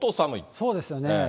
そうですよね。